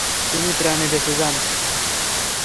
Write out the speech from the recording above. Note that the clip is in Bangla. তিনি প্রাণে বেঁচে যান।